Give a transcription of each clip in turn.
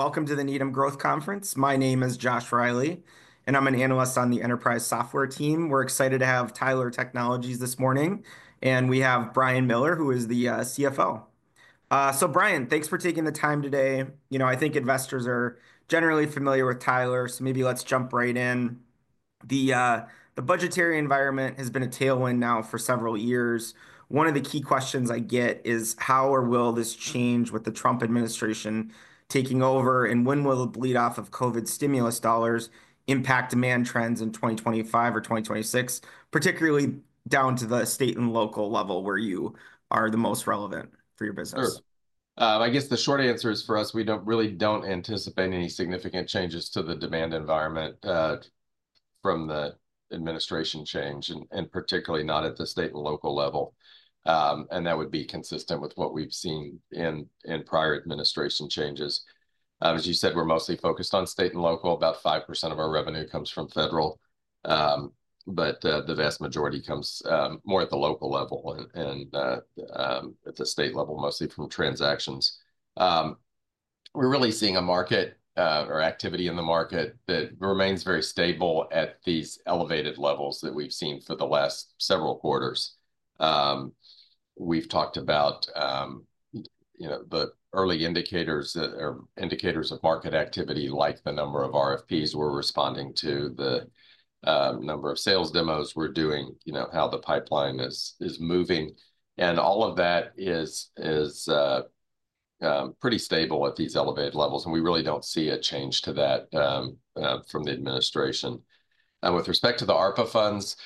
Welcome to the Needham Growth Conference. My name is Josh Reilly, and I'm an analyst on the enterprise software team. We're excited to have Tyler Technologies this morning, and we have Brian Miller, who is the CFO. So, Brian, thanks for taking the time today. You know, I think investors are generally familiar with Tyler, so maybe let's jump right in. The budgetary environment has been a tailwind now for several years. One of the key questions I get is, how or will this change with the Trump administration taking over, and when will the bleed-off of COVID stimulus dollars impact demand trends in 2025 or 2026, particularly down to the state and local level where you are the most relevant for your business? I guess the short answer is, for us, we don't really anticipate any significant changes to the demand environment from the administration change, and particularly not at the state and local level, and that would be consistent with what we've seen in prior administration changes. As you said, we're mostly focused on state and local. About 5% of our revenue comes from federal, but the vast majority comes more at the local level and at the state level, mostly from transactions. We're really seeing a market or activity in the market that remains very stable at these elevated levels that we've seen for the last several quarters. We've talked about, you know, the early indicators of market activity, like the number of RFPs we're responding to, the number of sales demos we're doing, you know, how the pipeline is moving. All of that is pretty stable at these elevated levels, and we really don't see a change to that from the administration. With respect to the ARPA funds,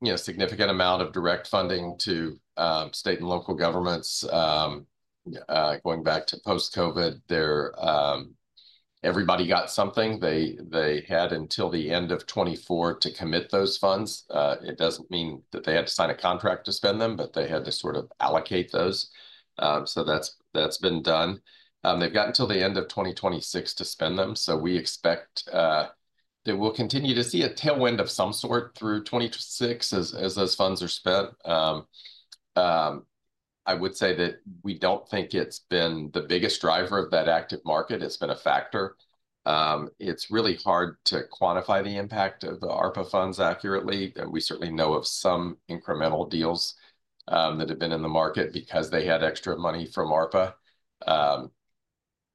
you know, significant amount of direct funding to state and local governments. Going back to post-COVID, everybody got something. They had until the end of 2024 to commit those funds. It doesn't mean that they had to sign a contract to spend them, but they had to sort of allocate those. That's been done. They've got until the end of 2026 to spend them, so we expect that we'll continue to see a tailwind of some sort through 2026 as those funds are spent. I would say that we don't think it's been the biggest driver of that active market. It's been a factor. It's really hard to quantify the impact of the ARPA funds accurately. We certainly know of some incremental deals that have been in the market because they had extra money from ARPA.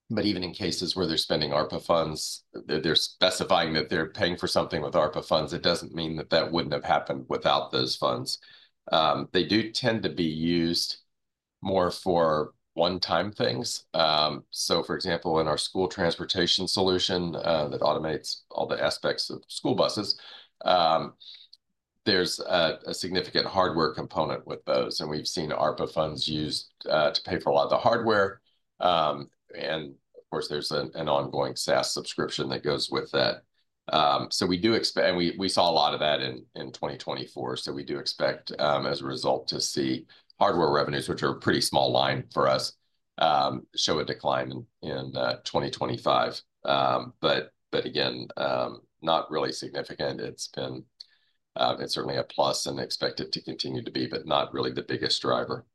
But even in cases where they're spending ARPA funds, they're specifying that they're paying for something with ARPA funds. It doesn't mean that that wouldn't have happened without those funds. They do tend to be used more for one-time things. So, for example, in our school transportation solution that automates all the aspects of school buses, there's a significant hardware component with those, and we've seen ARPA funds used to pay for a lot of the hardware. And, of course, there's an ongoing SaaS subscription that goes with that. So we do expect, and we saw a lot of that in 2024, so we do expect, as a result, to see hardware revenues, which are a pretty small line for us, show a decline in 2025. But, again, not really significant. It's been certainly a plus and expected to continue to be, but not really the biggest driver.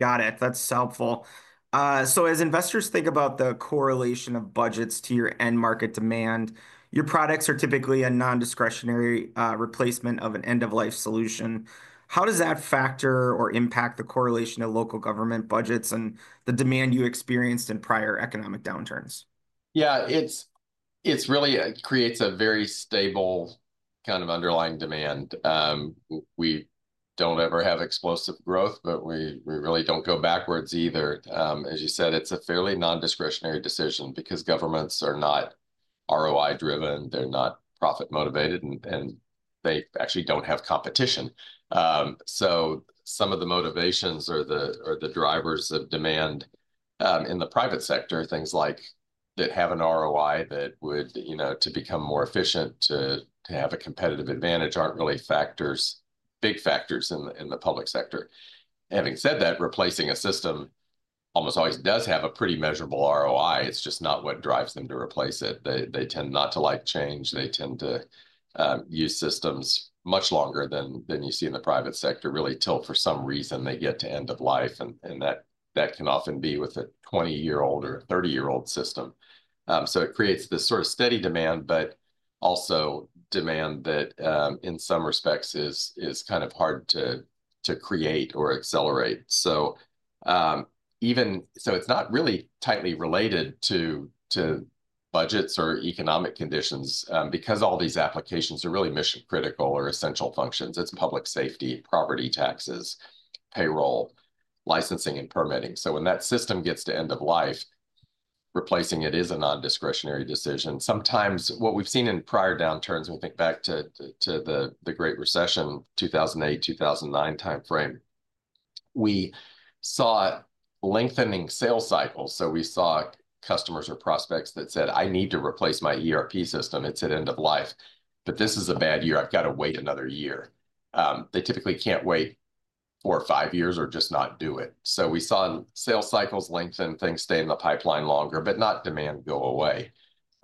Got it. That's helpful. So, as investors think about the correlation of budgets to your end market demand, your products are typically a non-discretionary replacement of an end-of-life solution. How does that factor or impact the correlation of local government budgets and the demand you experienced in prior economic downturns? Yeah, it really creates a very stable kind of underlying demand. We don't ever have explosive growth, but we really don't go backwards either. As you said, it's a fairly non-discretionary decision because governments are not ROI-driven. They're not profit-motivated, and they actually don't have competition. So some of the motivations or the drivers of demand in the private sector, things like that have an ROI that would, you know, to become more efficient, to have a competitive advantage, aren't really factors, big factors in the public sector. Having said that, replacing a system almost always does have a pretty measurable ROI. It's just not what drives them to replace it. They tend not to like change. They tend to use systems much longer than you see in the private sector, really till for some reason they get to end of life. That can often be with a 20-year-old or 30-year-old system. So it creates this sort of steady demand, but also demand that, in some respects, is kind of hard to create or accelerate. So it's not really tightly related to budgets or economic conditions because all these applications are really mission-critical or essential functions. It's public safety, property taxes, payroll, licensing, and permitting. So when that system gets to end of life, replacing it is a non-discretionary decision. Sometimes, what we've seen in prior downturns, we think back to the Great Recession, 2008, 2009 timeframe, we saw lengthening sales cycles. So we saw customers or prospects that said, "I need to replace my ERP system. It's at end of life, but this is a bad year. I've got to wait another year." They typically can't wait four or five years or just not do it. So we saw sales cycles lengthen, things stay in the pipeline longer, but not demand go away.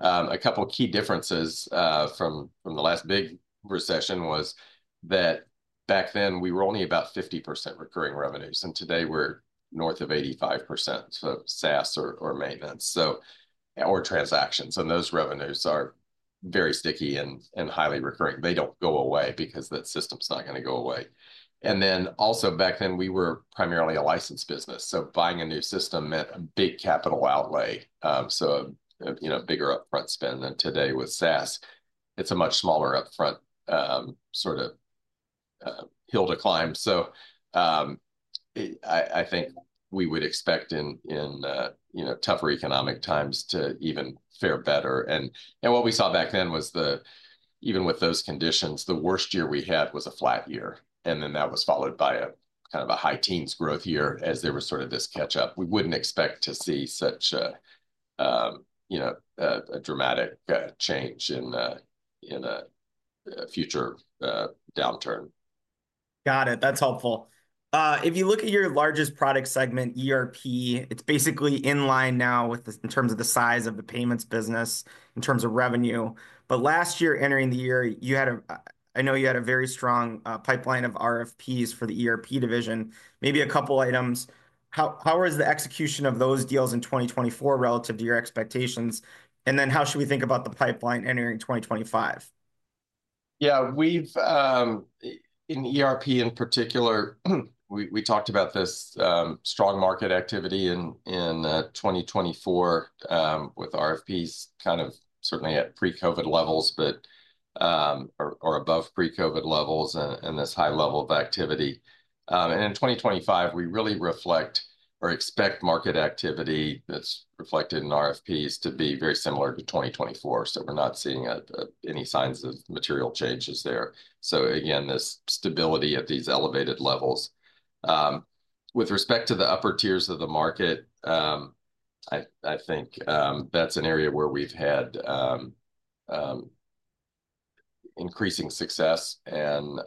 A couple of key differences from the last big recession was that back then we were only about 50% recurring revenues, and today we're north of 85% of SaaS or maintenance or transactions. And those revenues are very sticky and highly recurring. They don't go away because that system's not going to go away. And then also back then we were primarily a licensed business. So buying a new system meant a big capital outlay, so a bigger upfront spend than today with SaaS. It's a much smaller upfront sort of hill to climb. So I think we would expect in tougher economic times to even fare better. And what we saw back then was, even with those conditions, the worst year we had was a flat year. Then that was followed by a kind of a high teens growth year as there was sort of this catch-up. We wouldn't expect to see such a dramatic change in a future downturn. Got it. That's helpful. If you look at your largest product segment, ERP, it's basically in line now in terms of the size of the payments business, in terms of revenue. But last year, entering the year, you had, I know you had a very strong pipeline of RFPs for the ERP division. Maybe a couple of items. How was the execution of those deals in 2024 relative to your expectations? And then how should we think about the pipeline entering 2025? Yeah, in ERP in particular, we talked about this strong market activity in 2024 with RFPs kind of certainly at pre-COVID levels or above pre-COVID levels and this high level of activity. In 2025, we really reflect or expect market activity that's reflected in RFPs to be very similar to 2024. We're not seeing any signs of material changes there. Again, this stability at these elevated levels. With respect to the upper tiers of the market, I think that's an area where we've had increasing success. We're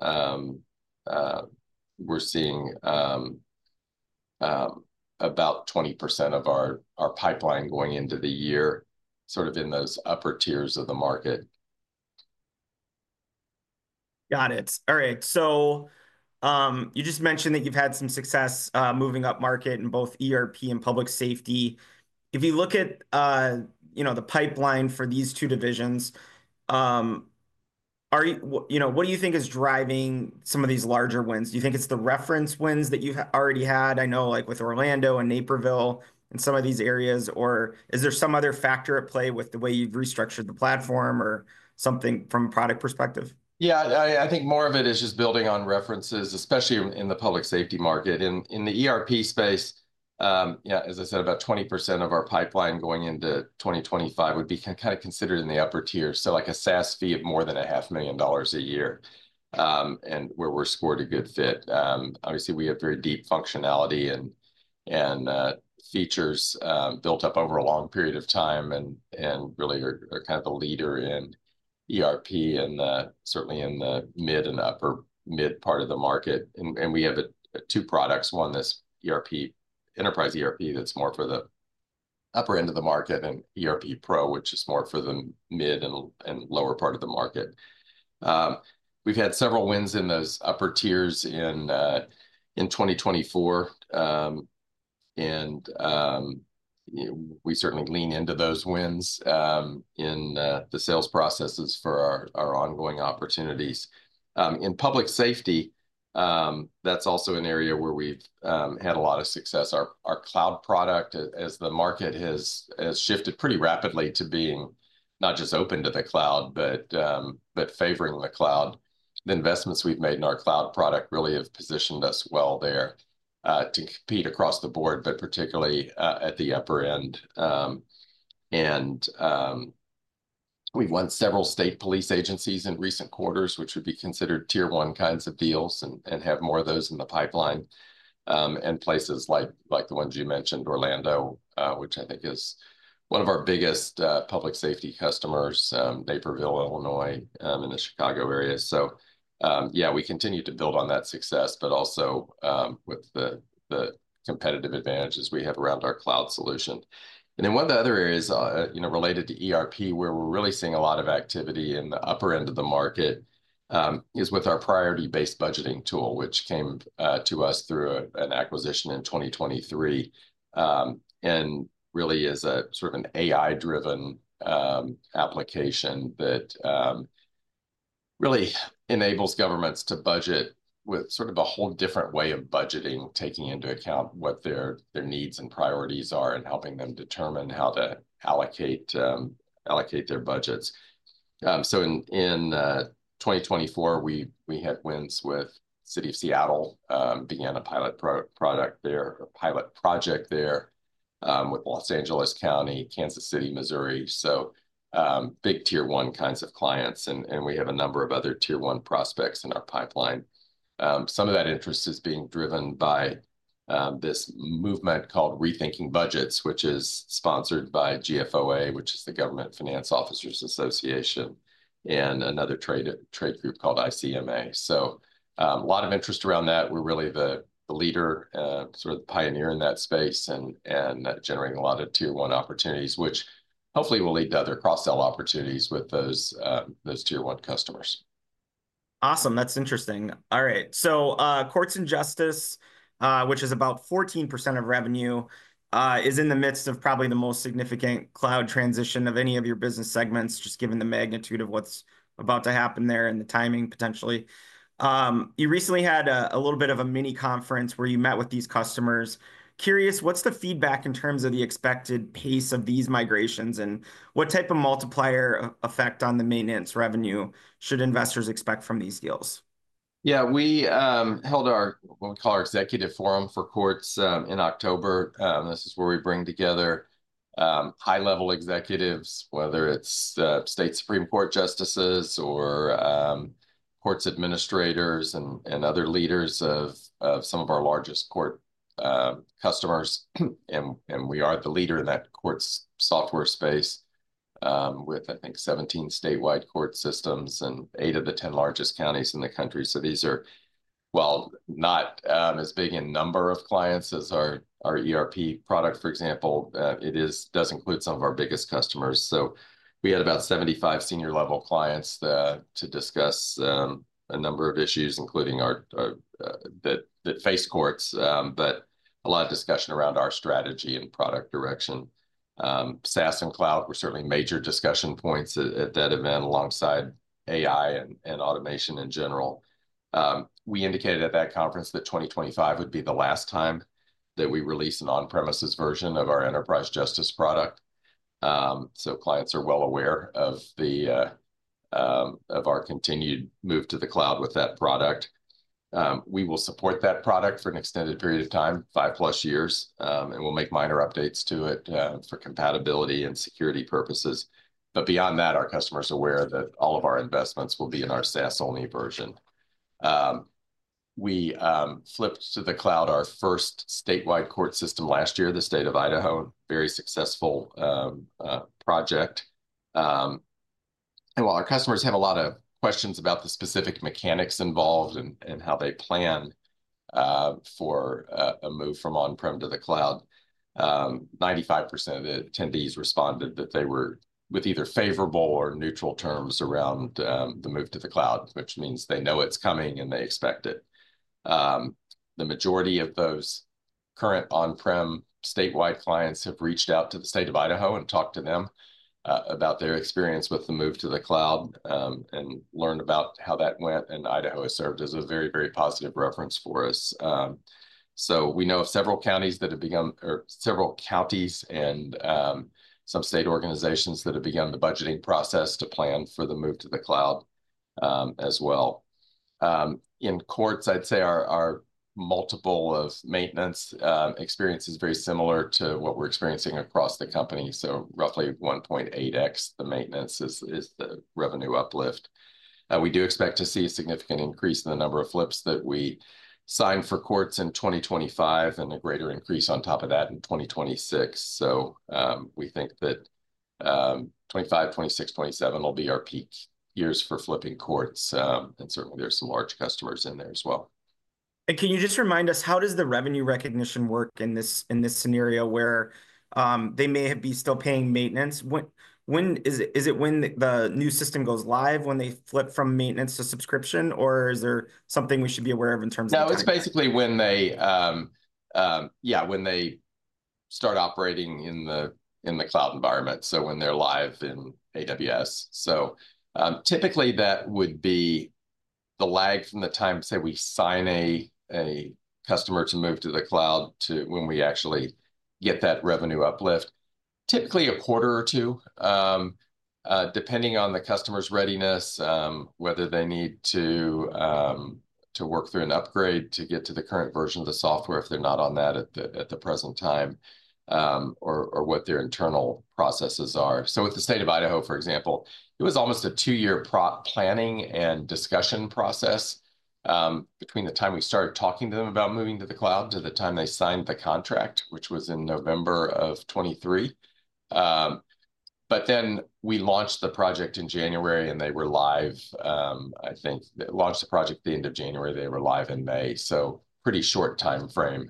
seeing about 20% of our pipeline going into the year sort of in those upper tiers of the market. Got it. All right, so you just mentioned that you've had some success moving up market in both ERP and public safety. If you look at the pipeline for these two divisions, what do you think is driving some of these larger wins? Do you think it's the reference wins that you've already had, I know, like with Orlando and Naperville and some of these areas, or is there some other factor at play with the way you've restructured the platform or something from a product perspective? Yeah, I think more of it is just building on references, especially in the public safety market. In the ERP space, as I said, about 20% of our pipeline going into 2025 would be kind of considered in the upper tiers, so like a SaaS fee of more than $500,000 a year and where we're scored a good fit. Obviously, we have very deep functionality and features built up over a long period of time and really are kind of the leader in ERP and certainly in the mid and upper mid part of the market, and we have two products, one that's ERP, enterprise ERP that's more for the upper end of the market, and ERP Pro, which is more for the mid and lower part of the market. We've had several wins in those upper tiers in 2024, and we certainly lean into those wins in the sales processes for our ongoing opportunities. In public safety, that's also an area where we've had a lot of success. Our cloud product, as the market has shifted pretty rapidly to being not just open to the cloud, but favoring the cloud, the investments we've made in our cloud product really have positioned us well there to compete across the board, but particularly at the upper end, and we've won several state police agencies in recent quarters, which would be considered tier one kinds of deals and have more of those in the pipeline and places like the ones you mentioned, Orlando, which I think is one of our biggest public safety customers, Naperville, Illinois, in the Chicago area. So yeah, we continue to build on that success, but also with the competitive advantages we have around our cloud solution. And then one of the other areas related to ERP where we're really seeing a lot of activity in the upper end of the market is with our Priority-Based Budgeting tool, which came to us through an acquisition in 2023 and really is a sort of an AI-driven application that really enables governments to budget with sort of a whole different way of budgeting, taking into account what their needs and priorities are and helping them determine how to allocate their budgets. So in 2024, we had wins with City of Seattle, began a pilot project there with Los Angeles County, Kansas City, Missouri. So big tier one kinds of clients. And we have a number of other tier one prospects in our pipeline. Some of that interest is being driven by this movement called Rethinking Budgets, which is sponsored by GFOA, which is the Government Finance Officers Association, and another trade group called ICMA. So a lot of interest around that. We're really the leader, sort of the pioneer in that space and generating a lot of tier one opportunities, which hopefully will lead to other cross-sell opportunities with those tier one customers. Awesome. That's interesting. All right. So Courts and Justice, which is about 14% of revenue, is in the midst of probably the most significant cloud transition of any of your business segments, just given the magnitude of what's about to happen there and the timing potentially. You recently had a little bit of a mini conference where you met with these customers. Curious, what's the feedback in terms of the expected pace of these migrations and what type of multiplier effect on the maintenance revenue should investors expect from these deals? Yeah, we held our what we call our executive forum for courts in October. This is where we bring together high-level executives, whether it's state Supreme Court justices or court administrators and other leaders of some of our largest court customers. And we are the leader in that court software space with, I think, 17 statewide court systems and eight of the 10 largest counties in the country. So these are, well, not as big in number of clients as our ERP product, for example. It does include some of our biggest customers. So we had about 75 senior-level clients to discuss a number of issues, including those that face courts, but a lot of discussion around our strategy and product direction. SaaS and cloud were certainly major discussion points at that event alongside AI and automation in general. We indicated at that conference that 2025 would be the last time that we release an on-premises version of our Enterprise Justice product. So clients are well aware of our continued move to the cloud with that product. We will support that product for an extended period of time, five plus years, and we'll make minor updates to it for compatibility and security purposes. But beyond that, our customers are aware that all of our investments will be in our SaaS-only version. We flipped to the cloud our first statewide court system last year, the State of Idaho, very successful project. While our customers have a lot of questions about the specific mechanics involved and how they plan for a move from on-prem to the cloud, 95% of the attendees responded that they were with either favorable or neutral terms around the move to the cloud, which means they know it's coming and they expect it. The majority of those current on-prem statewide clients have reached out to the State of Idaho and talked to them about their experience with the move to the cloud and learned about how that went. Idaho has served as a very, very positive reference for us. We know of several counties that have begun or several counties and some state organizations that have begun the budgeting process to plan for the move to the cloud as well. In courts, I'd say our multiple of maintenance experience is very similar to what we're experiencing across the company, so roughly 1.8x the maintenance is the revenue uplift. We do expect to see a significant increase in the number of flips that we sign for courts in 2025 and a greater increase on top of that in 2026, so we think that 2025, 2026, 2027 will be our peak years for flipping courts, and certainly there's some large customers in there as well. Can you just remind us, how does the revenue recognition work in this scenario where they may be still paying maintenance? Is it when the new system goes live when they flip from maintenance to subscription, or is there something we should be aware of in terms of? No, it's basically when they, yeah, when they start operating in the cloud environment, so when they're live in AWS. So typically, that would be the lag from the time, say, we sign a customer to move to the cloud to when we actually get that revenue uplift, typically a quarter or two, depending on the customer's readiness, whether they need to work through an upgrade to get to the current version of the software if they're not on that at the present time or what their internal processes are. So with the State of Idaho, for example, it was almost a two-year planning and discussion process between the time we started talking to them about moving to the cloud to the time they signed the contract, which was in November of 2023. But then we launched the project at the end of January, and they were live in May, I think. So pretty short time frame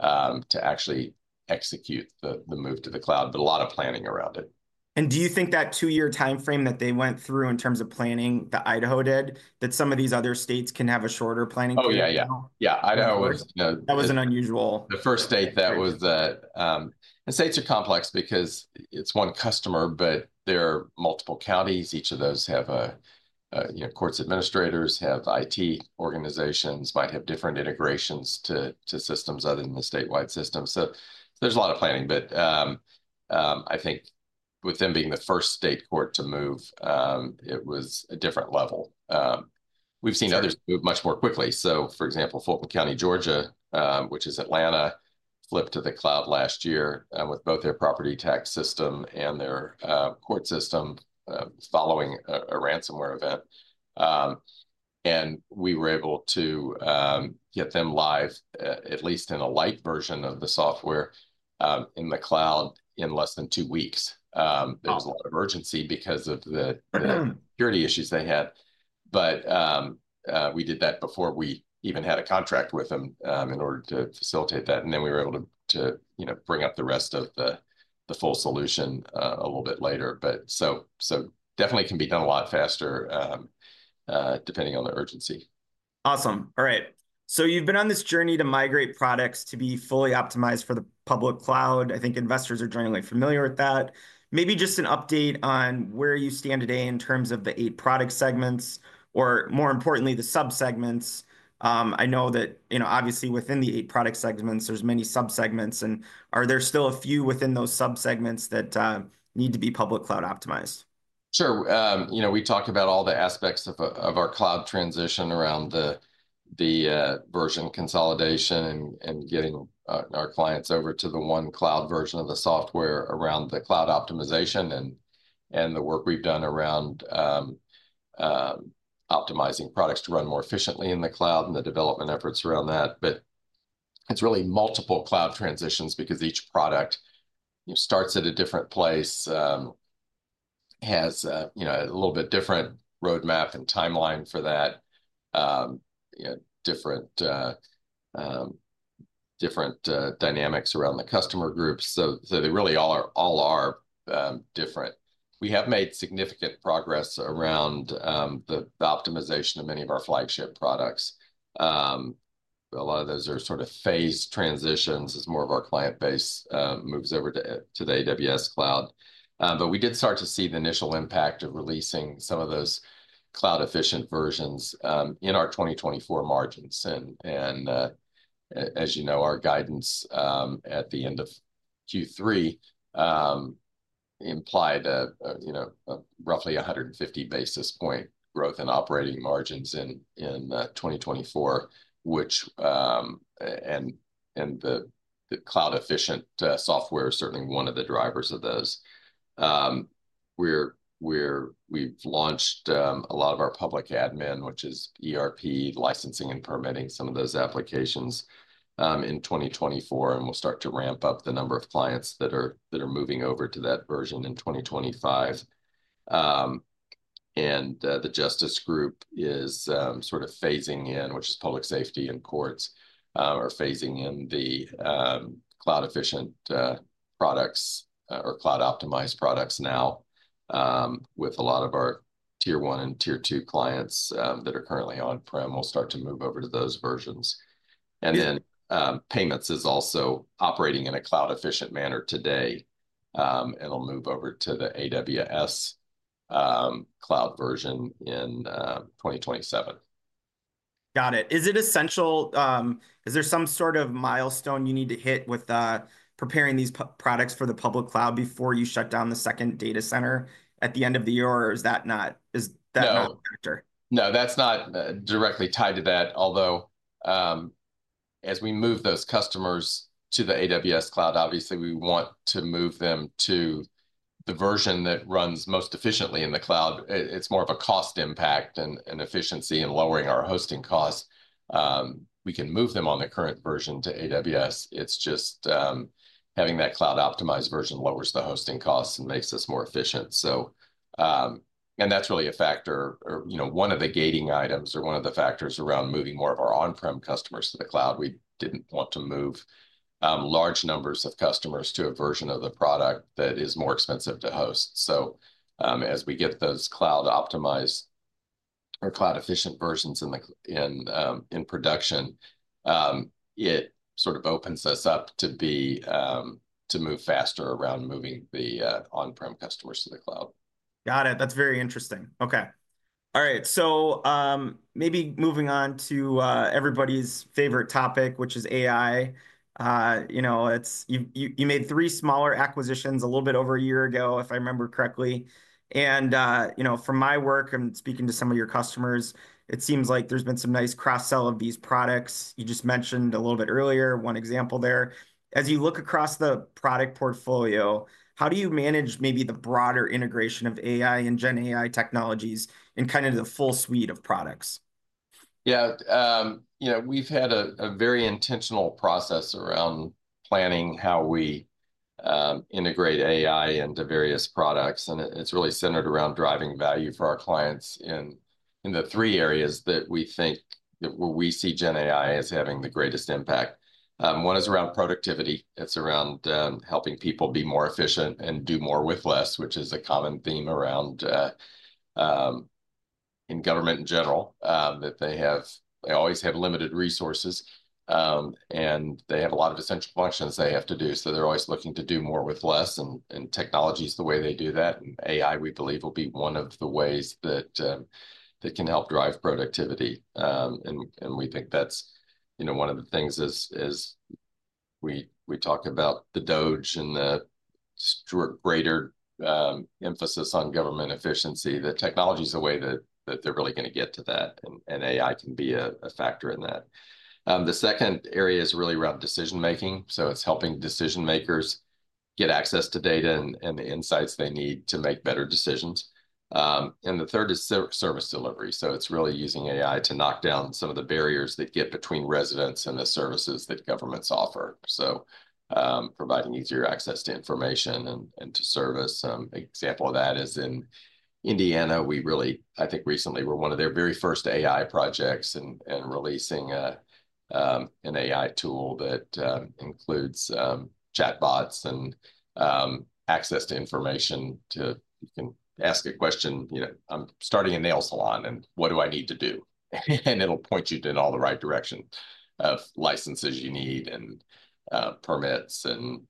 to actually execute the move to the cloud, but a lot of planning around it. Do you think that two-year time frame that they went through in terms of planning that Idaho did, that some of these other states can have a shorter planning time? Oh, yeah, yeah. Yeah, Idaho was. That was an unusual. The first state that was, and states are complex because it's one customer, but there are multiple counties. Each of those have court administrators, have IT organizations, might have different integrations to systems other than the statewide system. So there's a lot of planning. But I think with them being the first state court to move, it was a different level. We've seen others move much more quickly. So for example, Fulton County, Georgia, which is Atlanta, flipped to the cloud last year with both their property tax system and their court system following a ransomware event. And we were able to get them live, at least in a light version of the software in the cloud in less than two weeks. There was a lot of urgency because of the security issues they had. But we did that before we even had a contract with them in order to facilitate that. And then we were able to bring up the rest of the full solution a little bit later. But so definitely can be done a lot faster depending on the urgency. Awesome. All right. So you've been on this journey to migrate products to be fully optimized for the public cloud. I think investors are generally familiar with that. Maybe just an update on where you stand today in terms of the eight product segments or more importantly, the subsegments. I know that obviously within the eight product segments, there's many subsegments, and are there still a few within those subsegments that need to be public cloud optimized? Sure. We talked about all the aspects of our cloud transition around the version consolidation and getting our clients over to the one cloud version of the software around the cloud optimization and the work we've done around optimizing products to run more efficiently in the cloud and the development efforts around that. But it's really multiple cloud transitions because each product starts at a different place, has a little bit different roadmap and timeline for that, different dynamics around the customer groups. So they really all are different. We have made significant progress around the optimization of many of our flagship products. A lot of those are sort of phased transitions as more of our client base moves over to the AWS cloud. But we did start to see the initial impact of releasing some of those cloud-efficient versions in our 2024 margins. As you know, our guidance at the end of Q3 implied roughly 150 basis points growth in operating margins in 2024, and the cloud-efficient software is certainly one of the drivers of those. We've launched a lot of our public admin, which is ERP, licensing and permitting some of those applications in 2024, and we'll start to ramp up the number of clients that are moving over to that version in 2025. The justice group is sort of phasing in, which is public safety and courts are phasing in the cloud-efficient products or cloud-optimized products now with a lot of our tier one and tier two clients that are currently on-prem will start to move over to those versions. Then payments is also operating in a cloud-efficient manner today. It'll move over to the AWS cloud version in 2027. Got it. Is it essential? Is there some sort of milestone you need to hit with preparing these products for the public cloud before you shut down the second data center at the end of the year, or is that not? No, that's not directly tied to that. Although as we move those customers to the AWS cloud, obviously, we want to move them to the version that runs most efficiently in the cloud. It's more of a cost impact and efficiency in lowering our hosting costs. We can move them on the current version to AWS. It's just having that cloud-optimized version lowers the hosting costs and makes us more efficient. And that's really a factor or one of the gating items or one of the factors around moving more of our on-prem customers to the cloud. We didn't want to move large numbers of customers to a version of the product that is more expensive to host. So as we get those cloud-optimized or cloud-efficient versions in production, it sort of opens us up to move faster around moving the on-prem customers to the cloud. Got it. That's very interesting. Okay. All right. So maybe moving on to everybody's favorite topic, which is AI. You made three smaller acquisitions a little bit over a year ago, if I remember correctly. And from my work and speaking to some of your customers, it seems like there's been some nice cross-sell of these products. You just mentioned a little bit earlier, one example there. As you look across the product portfolio, how do you manage maybe the broader integration of AI and Gen AI technologies and kind of the full suite of products? Yeah. We've had a very intentional process around planning how we integrate AI into various products. And it's really centered around driving value for our clients in the three areas that we think where we see Gen AI as having the greatest impact. One is around productivity. It's around helping people be more efficient and do more with less, which is a common theme around in government in general that they always have limited resources and they have a lot of essential functions they have to do. So they're always looking to do more with less. And technology is the way they do that. And AI, we believe, will be one of the ways that can help drive productivity. And we think that's one of the things is we talk about the DOGE and the greater emphasis on government efficiency. The technology is a way that they're really going to get to that. And AI can be a factor in that. The second area is really around decision-making. So it's helping decision-makers get access to data and the insights they need to make better decisions. And the third is service delivery. So it's really using AI to knock down some of the barriers that get between residents and the services that governments offer. So providing easier access to information and to service. An example of that is in Indiana. Indiana, I think, recently were one of their very first AI projects and releasing an AI tool that includes chatbots and access to information so you can ask a question, "I'm starting a nail salon, and what do I need to do?" And it'll point you in all the right direction of licenses you need and permits and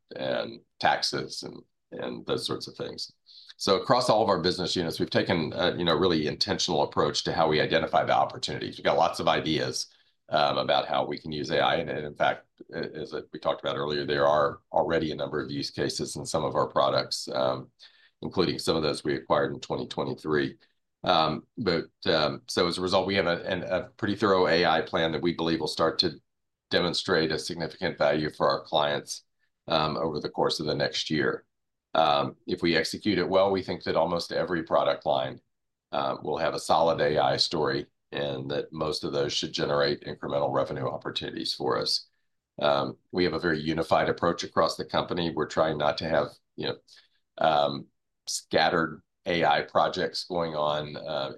taxes and those sorts of things. So across all of our business units, we've taken a really intentional approach to how we identify the opportunities. We've got lots of ideas about how we can use AI. And in fact, as we talked about earlier, there are already a number of use cases in some of our products, including some of those we acquired in 2023. But so as a result, we have a pretty thorough AI plan that we believe will start to demonstrate a significant value for our clients over the course of the next year. If we execute it well, we think that almost every product line will have a solid AI story and that most of those should generate incremental revenue opportunities for us. We have a very unified approach across the company. We're trying not to have scattered AI projects going on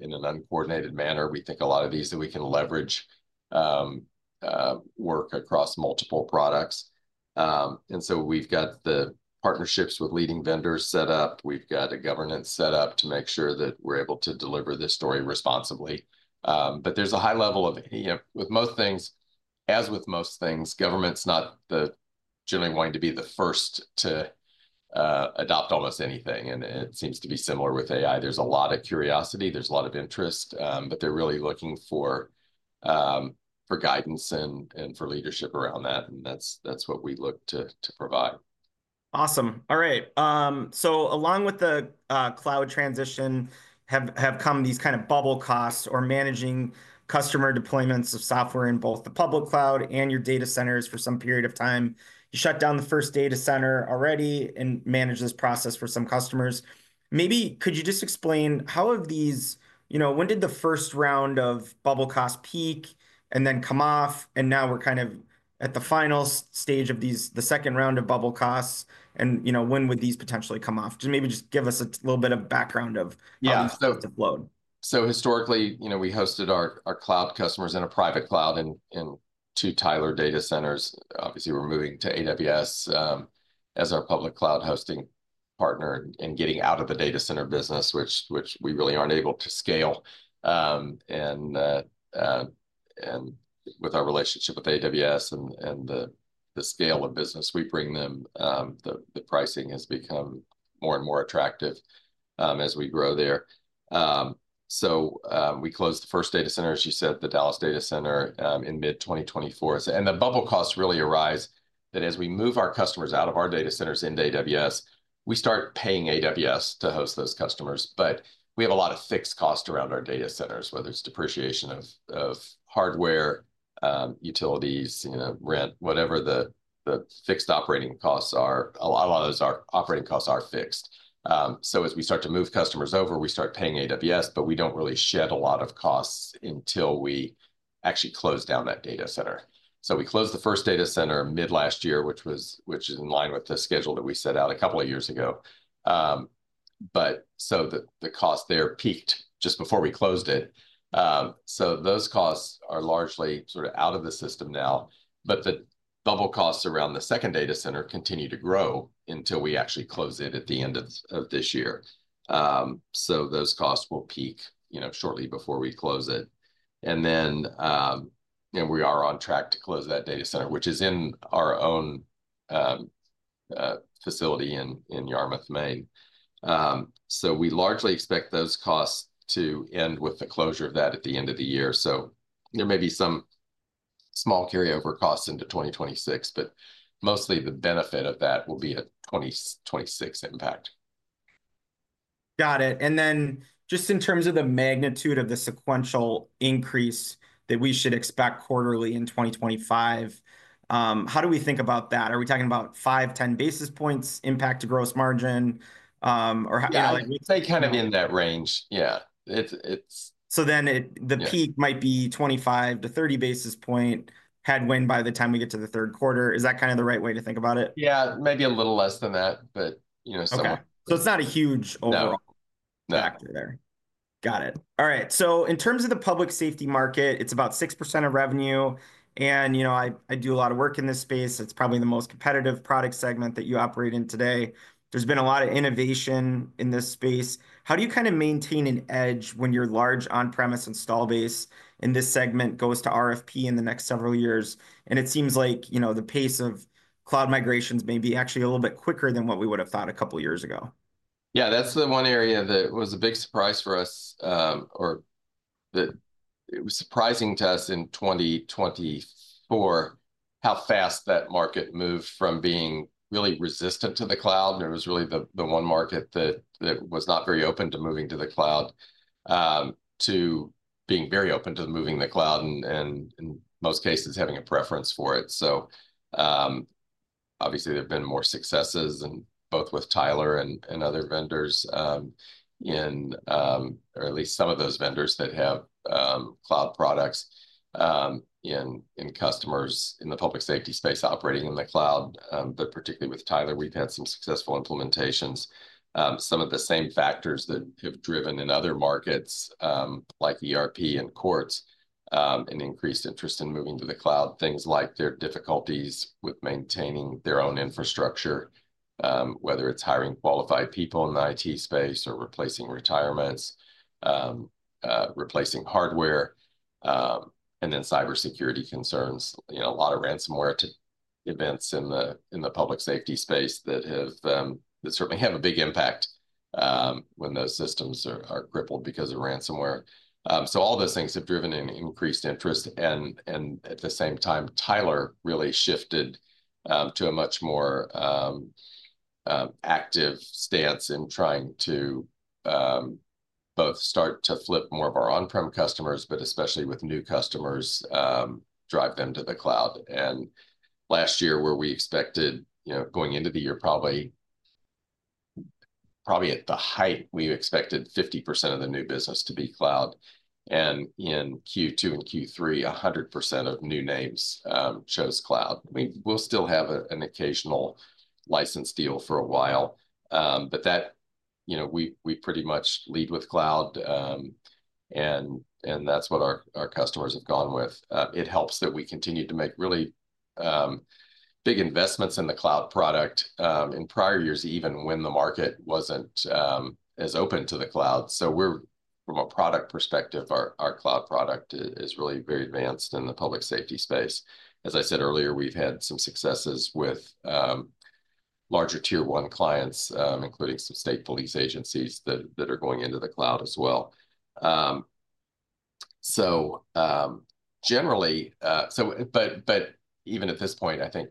in an uncoordinated manner. We think a lot of these that we can leverage work across multiple products. And so we've got the partnerships with leading vendors set up. We've got a governance set up to make sure that we're able to deliver this story responsibly. But there's a high level of, with most things, as with most things, government's not generally wanting to be the first to adopt almost anything. And it seems to be similar with AI. There's a lot of curiosity. There's a lot of interest, but they're really looking for guidance and for leadership around that. And that's what we look to provide. Awesome. All right, so along with the cloud transition, have come these kind of bubble costs or managing customer deployments of software in both the public cloud and your data centers for some period of time. You shut down the first data center already and manage this process for some customers. Maybe could you just explain how have these, when did the first round of bubble costs peak and then come off, and now we're kind of at the final stage of the second round of bubble costs, and when would these potentially come off? Just maybe just give us a little bit of background of how these deployed. So historically, we hosted our cloud customers in a private cloud and two Tyler data centers. Obviously, we're moving to AWS as our public cloud hosting partner and getting out of the data center business, which we really aren't able to scale. And with our relationship with AWS and the scale of business we bring them, the pricing has become more and more attractive as we grow there. So we closed the first data center, as you said, the Dallas data center in mid-2024. And the bubble costs really arise as we move our customers out of our data centers into AWS. We start paying AWS to host those customers. But we have a lot of fixed costs around our data centers, whether it's depreciation of hardware, utilities, rent, whatever the fixed operating costs are. A lot of those operating costs are fixed. So as we start to move customers over, we start paying AWS, but we don't really shed a lot of costs until we actually close down that data center. So we closed the first data center mid-last year, which is in line with the schedule that we set out a couple of years ago. But so the cost there peaked just before we closed it. So those costs are largely sort of out of the system now. But the bubble costs around the second data center continue to grow until we actually close it at the end of this year. So those costs will peak shortly before we close it. And then we are on track to close that data center, which is in our own facility in Yarmouth, Maine. So we largely expect those costs to end with the closure of that at the end of the year. So there may be some small carryover costs into 2026, but mostly the benefit of that will be a 2026 impact. Got it. And then just in terms of the magnitude of the sequential increase that we should expect quarterly in 2025, how do we think about that? Are we talking about five, 10 basis points impact to gross margin? Yeah. We'll say kind of in that range. Yeah. So then the peak might be 25-30 basis points headwind by the time we get to the third quarter. Is that kind of the right way to think about it? Yeah. Maybe a little less than that, but somewhat. Okay. So it's not a huge overall factor there. No. Got it. All right. So in terms of the public safety market, it's about 6% of revenue. And I do a lot of work in this space. It's probably the most competitive product segment that you operate in today. There's been a lot of innovation in this space. How do you kind of maintain an edge when your large on-premises installed base in this segment goes to RFP in the next several years? And it seems like the pace of cloud migrations may be actually a little bit quicker than what we would have thought a couple of years ago. Yeah. That's the one area that was a big surprise for us or that it was surprising to us in 2024, how fast that market moved from being really resistant to the cloud. And it was really the one market that was not very open to moving to the cloud to being very open to moving to the cloud and in most cases having a preference for it. So obviously, there have been more successes both with Tyler and other vendors in, or at least some of those vendors that have cloud products and customers in the public safety space operating in the cloud. But particularly with Tyler, we've had some successful implementations. Some of the same factors that have driven in other markets like ERP and courts and increased interest in moving to the cloud, things like their difficulties with maintaining their own infrastructure, whether it's hiring qualified people in the IT space or replacing retirements, replacing hardware, and then cybersecurity concerns, a lot of ransomware events in the public safety space that certainly have a big impact when those systems are crippled because of ransomware, so all those things have driven an increased interest, and at the same time, Tyler really shifted to a much more active stance in trying to both start to flip more of our on-prem customers, but especially with new customers, drive them to the cloud, and last year, where we expected going into the year, probably at the height, we expected 50% of the new business to be cloud. In Q2 and Q3, 100% of new names chose cloud. I mean, we'll still have an occasional license deal for a while, but we pretty much lead with cloud. That's what our customers have gone with. It helps that we continue to make really big investments in the cloud product in prior years, even when the market wasn't as open to the cloud. From a product perspective, our cloud product is really very advanced in the public safety space. As I said earlier, we've had some successes with larger tier one clients, including some state police agencies that are going into the cloud as well. Generally, but even at this point, I think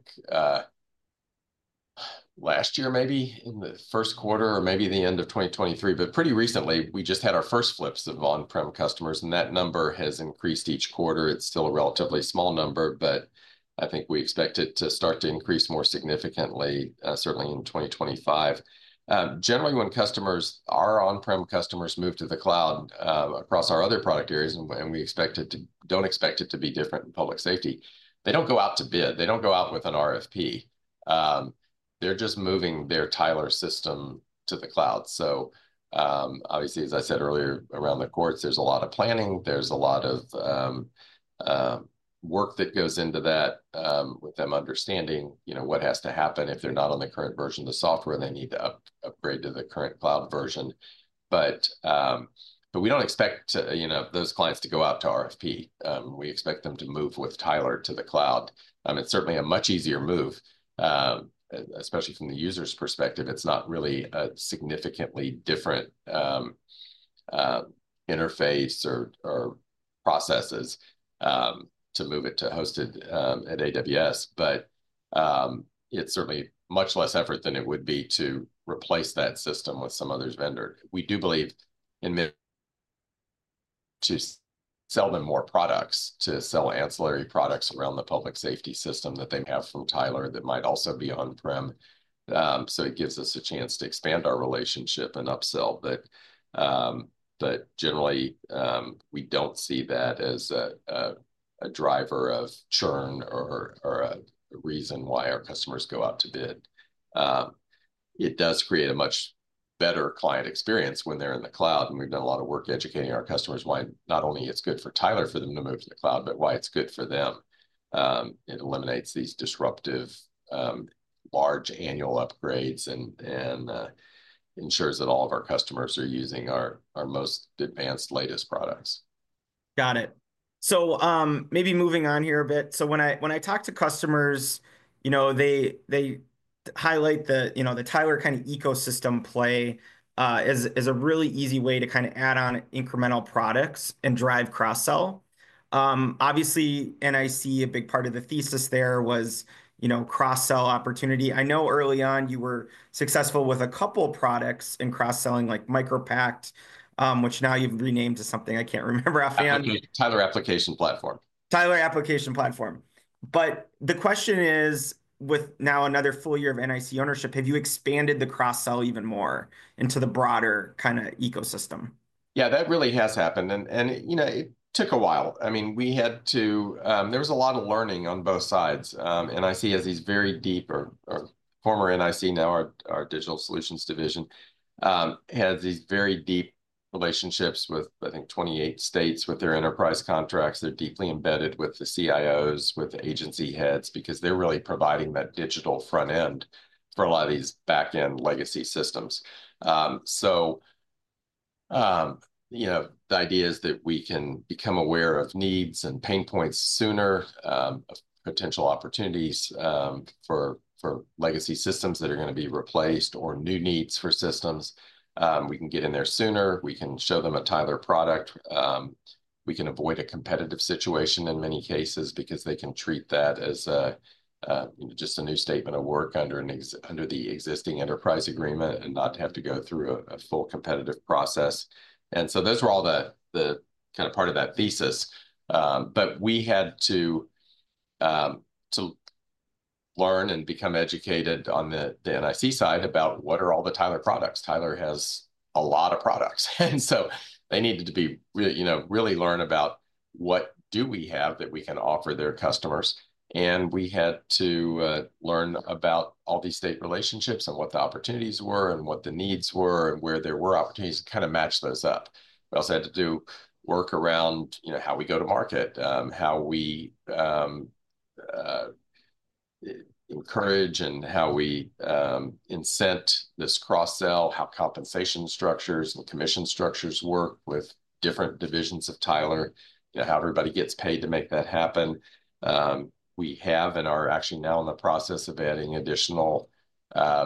last year, maybe in the first quarter or maybe the end of 2023, but pretty recently, we just had our first flips of on-prem customers. That number has increased each quarter. It's still a relatively small number, but I think we expect it to start to increase more significantly, certainly in 2025. Generally, when customers, our on-prem customers, move to the cloud across our other product areas, and we don't expect it to be different in public safety, they don't go out to bid. They don't go out with an RFP. They're just moving their Tyler system to the cloud. So obviously, as I said earlier, around the courts, there's a lot of planning. There's a lot of work that goes into that with them understanding what has to happen if they're not on the current version of the software and they need to upgrade to the current cloud version. But we don't expect those clients to go out to RFP. We expect them to move with Tyler to the cloud. It's certainly a much easier move, especially from the user's perspective. It's not really a significantly different interface or processes to move it to hosted at AWS, but it's certainly much less effort than it would be to replace that system with some other vendor. We do believe it's an opportunity to sell them more products, to sell ancillary products around the public safety system that they have from Tyler that might also be on-prem. So it gives us a chance to expand our relationship and upsell. But generally, we don't see that as a driver of churn or a reason why our customers go out to bid. It does create a much better client experience when they're in the cloud, and we've done a lot of work educating our customers why not only it's good for Tyler for them to move to the cloud, but why it's good for them. It eliminates these disruptive large annual upgrades and ensures that all of our customers are using our most advanced, latest products. Got it. So maybe moving on here a bit. So when I talk to customers, they highlight the Tyler kind of ecosystem play as a really easy way to kind of add on incremental products and drive cross-sell. Obviously, and I see a big part of the thesis there was cross-sell opportunity. I know early on you were successful with a couple of products in cross-selling like MicroPact, which now you've renamed to something I can't remember offhand. Tyler Application Platform. Tyler Application Platform. But the question is, with now another full year of NIC ownership, have you expanded the cross-sell even more into the broader kind of ecosystem? Yeah, that really has happened. And it took a while. I mean, there was a lot of learning on both sides. Former NIC, now our Digital Solutions Division, has these very deep relationships with, I think, 28 states with their enterprise contracts. They're deeply embedded with the CIOs, with the agency heads because they're really providing that digital front end for a lot of these back-end legacy systems. So the idea is that we can become aware of needs and pain points sooner, potential opportunities for legacy systems that are going to be replaced or new needs for systems. We can get in there sooner. We can show them a Tyler product. We can avoid a competitive situation in many cases because they can treat that as just a new statement of work under the existing enterprise agreement and not have to go through a full competitive process. And so those were all the kind of part of that thesis. But we had to learn and become educated on the NIC side about what are all the Tyler products. Tyler has a lot of products. And so they needed to really learn about what do we have that we can offer their customers. And we had to learn about all these state relationships and what the opportunities were and what the needs were and where there were opportunities to kind of match those up. We also had to do work around how we go to market, how we encourage, and how we incent this cross-sell, how compensation structures and commission structures work with different divisions of Tyler, how everybody gets paid to make that happen. We have and are actually now in the process of adding additional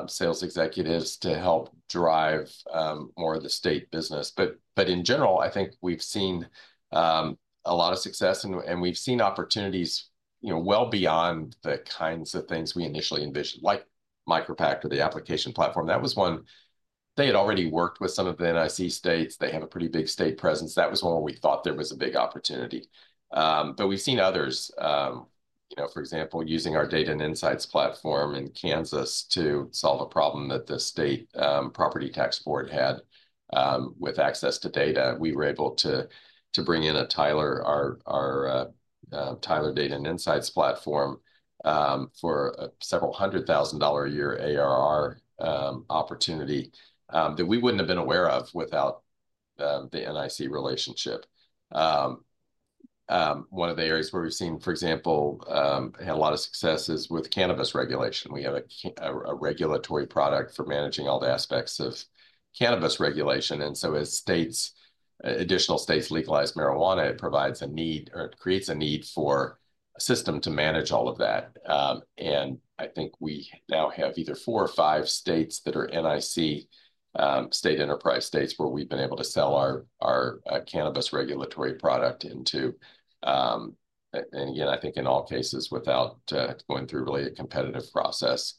sales executives to help drive more of the state business. But in general, I think we've seen a lot of success, and we've seen opportunities well beyond the kinds of things we initially envisioned, like MicroPact or the application platform. That was one they had already worked with some of the NIC states. They have a pretty big state presence. That was one where we thought there was a big opportunity. But we've seen others, for example, using our data and insights platform in Kansas to solve a problem that the state property tax board had with access to data. We were able to bring in our Tyler Data & Insights platform for a several hundred thousand dollars a year ARR opportunity that we wouldn't have been aware of without the NIC relationship. One of the areas where we've seen, for example, had a lot of success is with cannabis regulation. We have a regulatory product for managing all the aspects of cannabis regulation. And so as additional states legalize marijuana, it creates a need for a system to manage all of that. And I think we now have either four or five states that are NIC state enterprise states where we've been able to sell our cannabis regulatory product into. Again, I think in all cases without going through really a competitive process.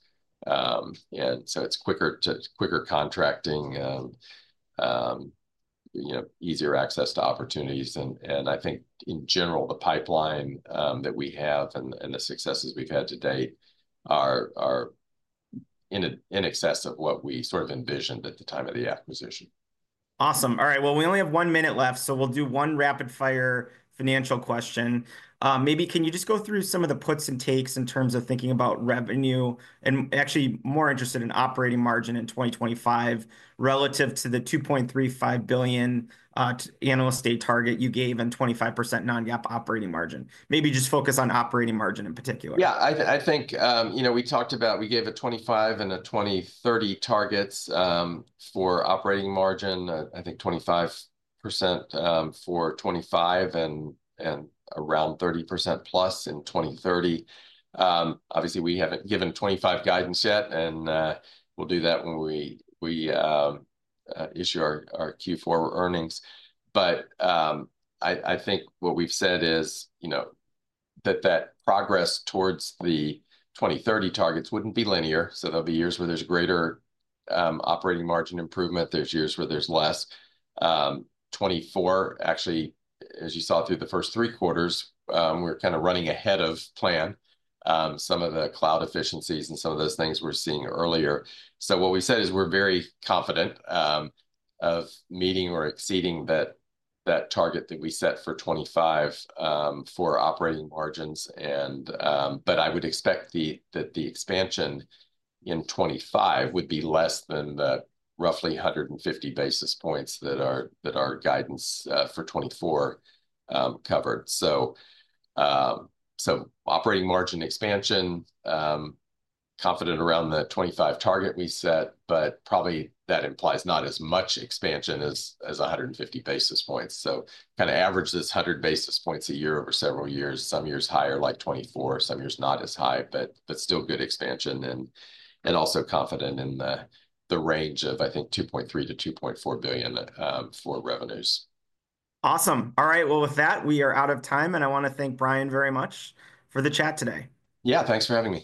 It's quicker contracting, easier access to opportunities. I think in general, the pipeline that we have and the successes we've had to date are in excess of what we sort of envisioned at the time of the acquisition. Awesome. All right. Well, we only have one minute left, so we'll do one rapid-fire financial question. Maybe can you just go through some of the puts and takes in terms of thinking about revenue and actually more interested in operating margin in 2025 relative to the $2.35 billion annual sales target you gave and 25% non-GAAP operating margin? Maybe just focus on operating margin in particular. Yeah. I think we talked about we gave a 2025 and a 2030 targets for operating margin, I think 25% for 2025 and around 30% plus in 2030. Obviously, we haven't given 2025 guidance yet, and we'll do that when we issue our Q4 earnings. But I think what we've said is that that progress towards the 2030 targets wouldn't be linear. So there'll be years where there's greater operating margin improvement. There's years where there's less. 2024, actually, as you saw through the first three quarters, we're kind of running ahead of plan. Some of the cloud efficiencies and some of those things we're seeing earlier. So what we said is we're very confident of meeting or exceeding that target that we set for 2025 for operating margins. But I would expect that the expansion in 2025 would be less than the roughly 150 basis points that our guidance for 2024 covered. So operating margin expansion, confident around the 2025 target we set, but probably that implies not as much expansion as 150 basis points. So kind of average this 100 basis points a year over several years. Some years higher, like 2024. Some years not as high, but still good expansion. And also confident in the range of, I think, $2.3-$2.4 billion for revenues. Awesome. All right. Well, with that, we are out of time, and I want to thank Brian very much for the chat today. Yeah, thanks for having me.